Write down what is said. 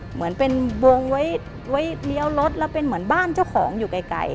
เหมือนเป็นวงไว้เลี้ยวรถแล้วเป็นเหมือนบ้านเจ้าของอยู่ไกล